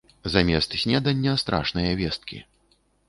Замест снедання страшныя весткі.